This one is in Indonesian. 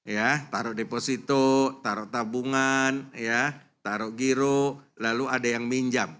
ya taruh deposito taruh tabungan ya taruh giro lalu ada yang minjam